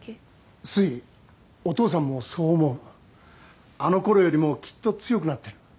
すいお父さんもそう思うあのころよりもきっと強くなってる